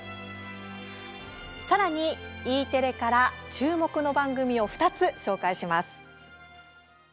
さらにＥテレから注目の番組を２つ紹介します。